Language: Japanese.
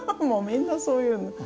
もうみんなそう言う。